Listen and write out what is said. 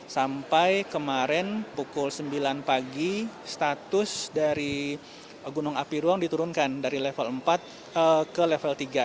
sampai kemarin pukul sembilan pagi status dari gunung api ruang diturunkan dari level empat ke level tiga